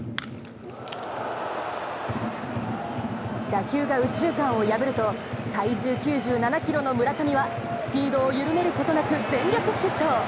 打球が右中間を破ると体重９７ｋｇの村上はスピードを緩めることなく全力疾走。